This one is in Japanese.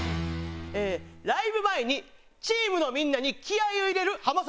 ライブ前にチームのみんなに気合を入れる浜崎あゆみさん。